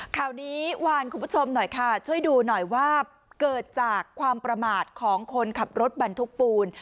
ข่าวนี้วานคุณผู้ชมหน่อยค่ะช่วยดูหน่อยว่าเกิดจากความประมาทของคนขับรถบรรทุกปูน